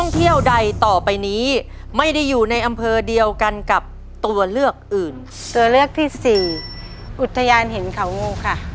ตัวเลือกที่สี่อุตยานเห็นเขาโง่ค่ะ